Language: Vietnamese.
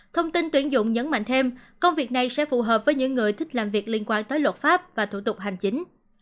thông tin tuyển dụng nhấn mạnh thêm công việc này sẽ phù hợp với những người thích làm việc liên quan tới luật pháp và thủ tục hành chính